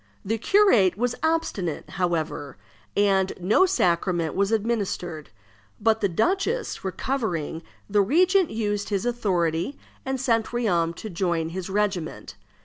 The curate was obstinate, however, and no sacrament was administered; but the duchess recovering, the regent used his authority, and sent Riom to join his regiment.